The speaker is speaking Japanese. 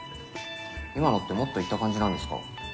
今のって「もっと言った」感じなんですか？